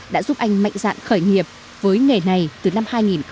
đã giúp anh mạnh dạn khởi nghiệp với nghề này từ năm hai nghìn một mươi